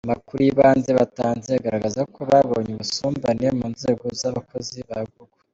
Amakuru y’ibanze batanze agaragaza ko babonye ubusumbane mu nzego z’abakozi ba Google.